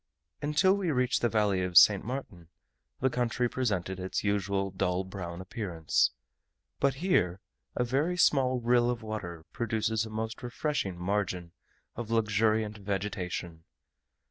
Until we reached the valley of St. Martin, the country presented its usual dull brown appearance; but here, a very small rill of water produces a most refreshing margin of luxuriant vegetation.